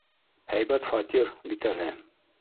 Һәйбәт фатир бит әле.